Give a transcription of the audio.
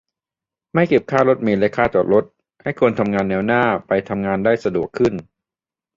- ไม่เก็บค่ารถเมล์และค่าจอดรถ ให้คนทำงานแนวหน้าไปทำงานได้สะดวกขึ้น